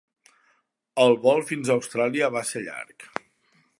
El vol fins a Austràlia va ser llarg.